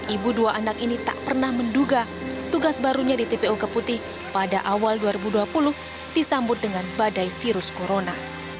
ibu dua anak ini tak pernah menduga tugas barunya di tpu keputih pada awal dua ribu dua puluh disambut dengan badai virus corona